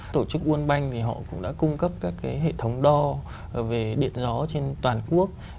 tổ chức nguồn banh thì họ cũng đã cung cấp các cái hệ thống đo về điện gió trên toàn quốc